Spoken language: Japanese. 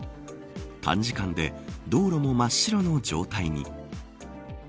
短時間で道路も真っ白の状態に。